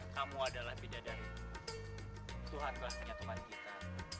kamu adalah pidadarimu tuhan telah menyatukan kita